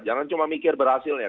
jangan cuma mikir berhasilnya